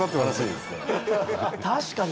確かに。